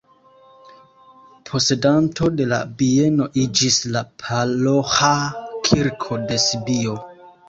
Posedanto de la bieno iĝis la paroĥa kirko de Sibio.